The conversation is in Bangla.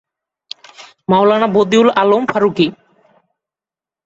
মাওলানা বদিউল আলম ফারুকী।